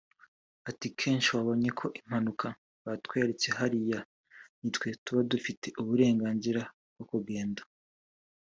Ati “kenshi wabonye ko impanuka batweretse hariya nitwe tuba dufite uburenganzira bwo kugenda